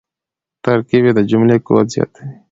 ترکیب د جملې قوت زیاتوي.